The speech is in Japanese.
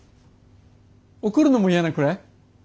怒るのも嫌なくらい？